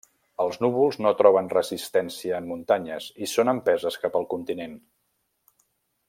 Els núvols no troben resistència en muntanyes i són empeses cap al continent.